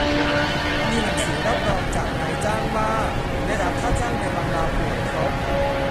มีหนังสือรับรองจากนายจ้างว่าได้รับค่าจ้างในวันลาป่วยครบ